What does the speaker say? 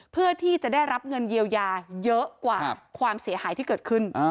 เพื่อที่จะได้รับเงินเยียวยาเยอะกว่าความเสียหายที่เกิดขึ้น